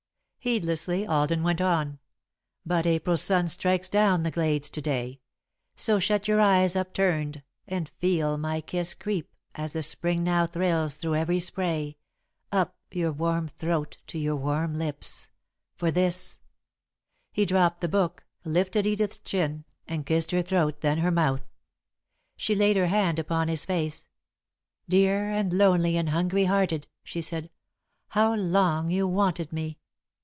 Heedlessly, Alden went on: "But April's sun strikes down the glades to day; So shut your eyes upturned, and feel my kiss Creep, as the Spring now thrills through every spray, Up your warm throat to your warm lips; for this " He dropped the book, lifted Edith's chin and kissed her throat, then her mouth. She laid her hand upon his face. "Dear and lonely and hungry hearted," she said; "how long you wanted me!"